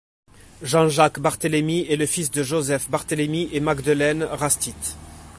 Jean-Jacques Barthélemy est le fils de Joseph Barthélemy et Magdeleine Rastit.